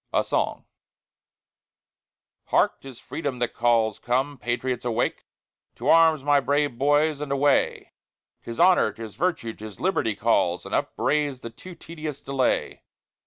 A SONG Hark! 'tis Freedom that calls, come, patriots, awake! To arms, my brave boys, and away: 'Tis Honor, 'tis Virtue, 'tis Liberty calls, And upbraids the too tedious delay.